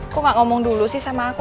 aku gak ngomong dulu sih sama aku